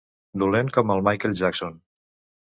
Dolent com en Michael Jackson.